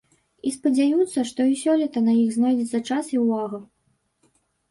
І спадзяюцца, што і сёлета на іх знойдзецца час і ўвага.